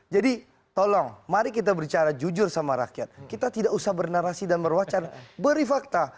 jadi tolong mari kita berbicara jujur sama rakyat kita tidak usah bernarasi dan berwacana beri fakta